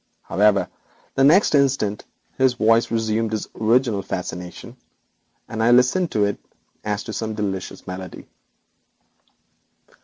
However, the next instant his voice resumed its original fascination, and I listened to it as to some delicious melody.